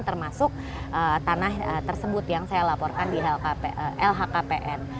termasuk tanah tersebut yang saya laporkan di lhkpn